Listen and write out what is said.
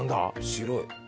白い。